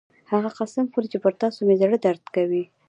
هغه قسم خوري چې پر تاسو مې زړه درد کوي